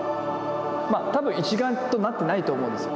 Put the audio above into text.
多分一丸となってないと思うんですよ。